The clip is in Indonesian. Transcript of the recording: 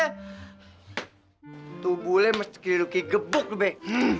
itu bule masih kiri kiri gebuk mabek